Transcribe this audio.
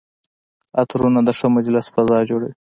عطرونه د ښه مجلس فضا جوړوي.